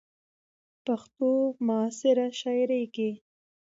،پښتو معاصره شاعرۍ کې